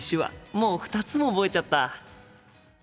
もう２つも覚えちゃった！